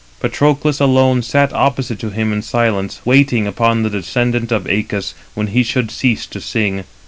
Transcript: Patroclus alone sat opposite to him in silence, waiting upon the descendant of Æacus when he should cease to sing.